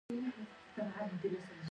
انار د افغانستان د کلتوري میراث برخه ده.